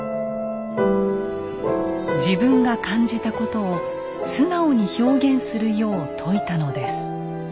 自分が感じたことを素直に表現するよう説いたのです。